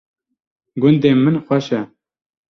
gundê min xweş e